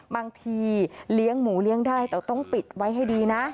บางทีเลี้ยงหมูเลี้ยงได้แต่ต้องปิดไว้ให้ดีนะ